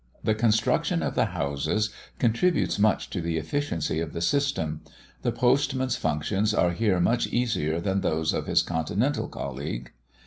The construction of the houses contributes much to the efficiency of the system. The postman's functions are here much easier than those of his continental colleagues.